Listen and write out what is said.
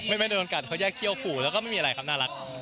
ไม่โดนกัดเขาแยกเขี้ยวขู่แล้วก็ไม่มีอะไรครับน่ารัก